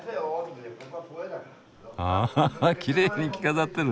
あははきれいに着飾ってる。